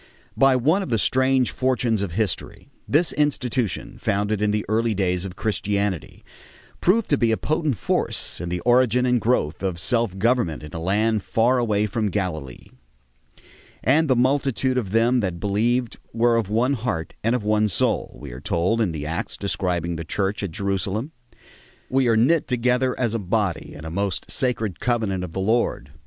By one of the strange fortunes of history, this institution, founded in the early days of Christianity, proved to be a potent force in the origin and growth of self government in a land far away from Galilee. "And the multitude of them that believed were of one heart and of one soul," we are told in the Acts describing the Church at Jerusalem. "We are knit together as a body in a most sacred covenant of the Lord ...